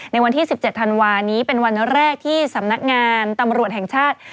ในวันที่๑๗ธันวานี้เป็นวันแรกที่สำนักงานตำรวจแห่งชาติ